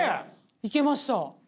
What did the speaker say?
いけました。